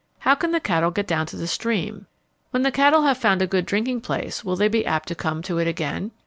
How can the cattle get down to the stream? When the cattle have found a good drinking place will they be apt to come to it again?